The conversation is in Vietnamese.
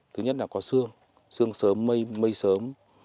thứ nhất là có sương sương sớm mây sớm